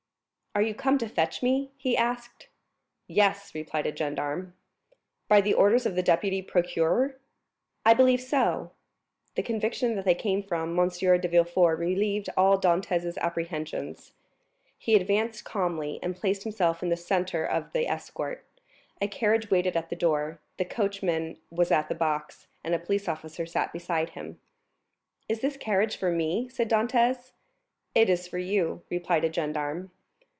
"Are you come to fetch me?" asked he. "Yes," replied a gendarme. "By the orders of the deputy procureur?" "I believe so." The conviction that they came from M. de Villefort relieved all Dantès' apprehensions; he advanced calmly, and placed himself in the centre of the escort. A carriage waited at the door, the coachman was on the box, and a police officer sat beside him. "Is this carriage for me?" said Dantès. "It is for you," replied a gendarme.